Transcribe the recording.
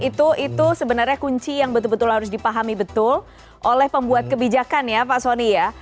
itu sebenarnya kunci yang betul betul harus dipahami betul oleh pembuat kebijakan ya pak soni ya